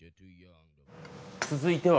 続いては。